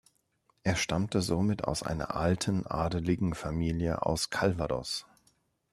Er stammte somit aus einer alten adeligen Familie aus Calvados.